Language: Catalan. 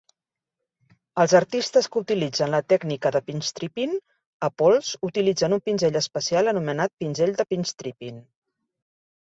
Els artistes que utilitzen la tècnica de pinstriping a pols utilitzen un pinzell especial anomenat pinzell de pinstriping.